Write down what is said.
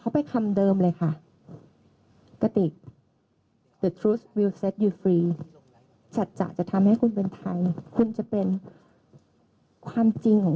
ประโยคนี้แหละค่ะคุณผู้ชม